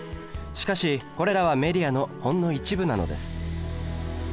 しかしこれらはメディアのほんの一部なのです。